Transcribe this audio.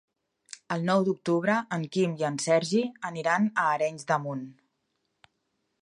El nou d'octubre en Quim i en Sergi aniran a Arenys de Munt.